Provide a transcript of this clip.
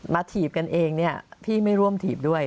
ถีบกันเองเนี่ยพี่ไม่ร่วมถีบด้วย